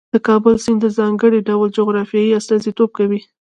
د کابل سیند د ځانګړي ډول جغرافیې استازیتوب کوي.